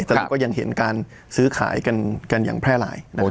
แต่เราก็ยังเห็นการซื้อขายกันอย่างแพร่หลายนะครับ